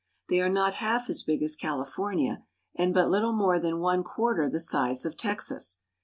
They are not half as big as California, and but little more than one quarter the size of Texas.